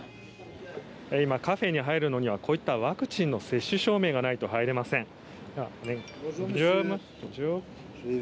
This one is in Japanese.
今、カフェに入るのにはこういった、ワクチンの接種証明がないと入れません。